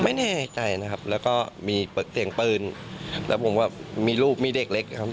ไม่แน่ใจนะครับแล้วก็มีเสียงปืนแล้วผมก็มีลูกมีเด็กเล็กครับ